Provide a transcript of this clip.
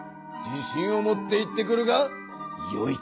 自しんを持って行ってくるがよい！